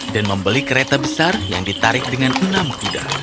dan membeli kereta besar yang ditarik dengan enam kuda